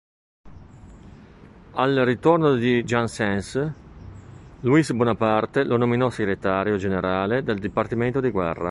Al ritorno di Janssens, Louis Bonaparte lo nominò segretario generale del dipartimento di guerra.